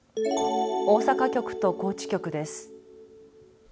大阪局と高知局です。